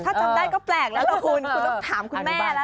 ถ้าจำได้ก็แปลกแล้วล่ะคุณคุณต้องถามคุณแม่แล้ว